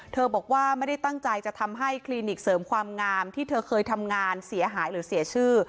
บอกว่าไม่ได้ตั้งใจจะทำให้คลินิกเสริมความงามที่เธอเคยทำงานเสียหายหรือเสียชื่อ